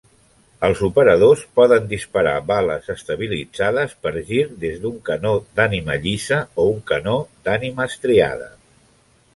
Els operadors poden disparar bales estabilitzades per gir des d'un canó d'ànima llisa o un canó d'ànima estriada.